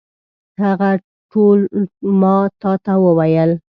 هغه ټول ما تا ته وویل.